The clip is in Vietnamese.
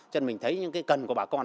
cho nên mình thấy những cái cần của bà con